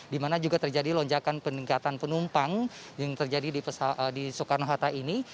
di mana juga terjadi lonjakan peningkatan penumpang yang terjadi di soekarno hatta ini